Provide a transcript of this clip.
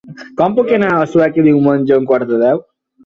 Com puc anar a Sueca diumenge a un quart de deu?